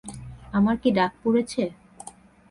আমার কি ডাক পড়েছে?